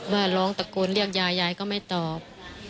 ว่าร้องตะโกนเรียกยายยายก็ไม่ตอบ